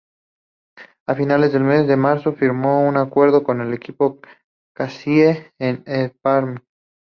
A finales del mes de marzo, firmó un acuerdo con el equipo Caisse d'Epargne.